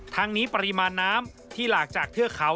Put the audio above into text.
ทั้งนี้ปริมาณน้ำที่หลากจากเทือกเขา